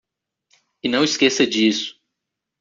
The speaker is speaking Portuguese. E não esqueça disso.